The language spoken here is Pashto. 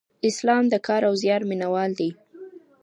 اسلام د کار او زیار مینه وال دی.